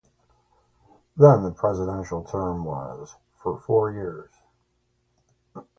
Then, the presidential term was for four years.